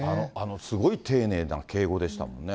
すごい丁寧な敬語でしたもんね。